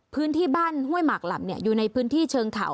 พื้นที่บ้านห้วยหมากหลับอยู่ในพื้นที่เชิงเขา